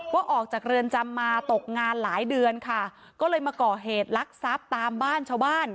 ออกจากเรือนจำมาตกงานหลายเดือนค่ะก็เลยมาก่อเหตุลักษัพตามบ้านชาวบ้าน